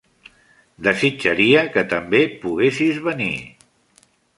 Desitjaria que també poguessis venir.